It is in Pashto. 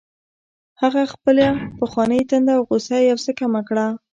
هغه خپله پخوانۍ تنده او غوسه یو څه کمه کړه